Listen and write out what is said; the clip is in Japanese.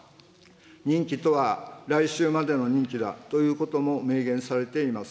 任期とは来秋までの任期だということも明言されています。